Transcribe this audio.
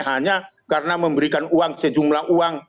hanya karena memberikan uang sejumlah uang